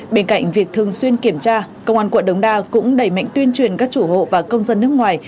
bên cạnh việc thường xuyên kiểm tra công an quận đống đa cũng đẩy mạnh tuyên truyền các chủ hộ và công dân nước ngoài